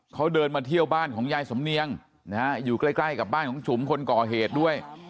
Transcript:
เขาเดินมาเที่ยวบ้านของยายสำเนียงนะฮะอยู่ใกล้กับบ้านของฉุมคนก่อเหตุด้วย